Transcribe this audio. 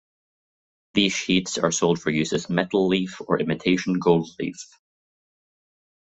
These sheets are sold for use as metal leaf or imitation gold leaf.